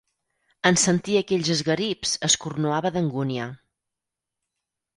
En sentir aquells esgarips es cornuava d'angúnia.